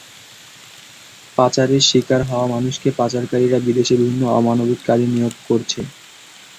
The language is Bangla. পাচারের শিকার হওয়া মানুষকে পাচারকারীরা বিদেশে বিভিন্ন অমানবিক কাজে নিয়োগ করছে।